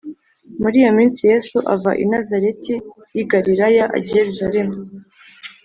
Muri iyo minsi Yesu ava i Nazareti y’ i Galilaya ajya I yerusaremu